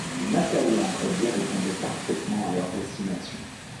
Les matériaux employés répondaient parfaitement à leur destination.